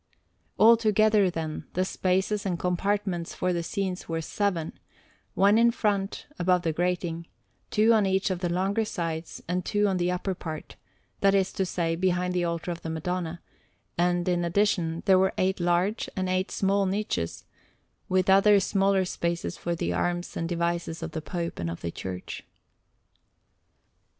Altogether, then, the spaces and compartments for the scenes were seven: one in front, above the grating, two on each of the longer sides, and two on the upper part that is to say, behind the altar of the Madonna; and, in addition, there were eight large and eight small niches, with other smaller spaces for the arms and devices of the Pope and of the Church.